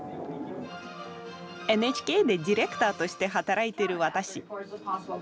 ＮＨＫでディレクターとして働いている私。